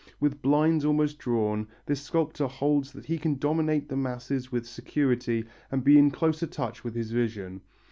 With blinds almost drawn, this sculptor holds that he can dominate the masses with security and be in closer touch with his vision.